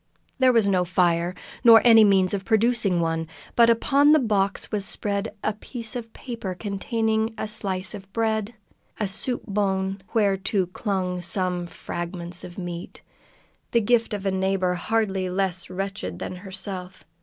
There was no fire, nor any means of producing one, but upon the box was spread a piece of paper containing a slice of bread and a soup bone, whereto clung some fragments of meat the gift of a neighbor hardly less wretched than herself.